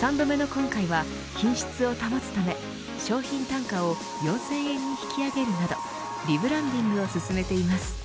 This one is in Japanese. ３度目の今回は品質を保つため商品単価を４０００円に引き上げるなどリブランディングを進めています。